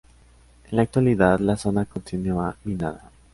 En la actualidad la zona continúa minada.